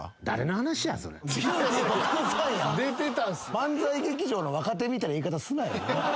漫才劇場の若手みたいな言い方すなよ。